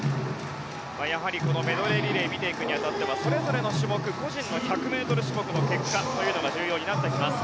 このメドレーリレーを見ていくに当たってそれぞれの種目個人の種目の結果というのが重要になってきます。